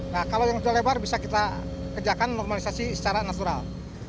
nah kalau yang sudah lebar bisa kita kerjakan normalisasi secara nasional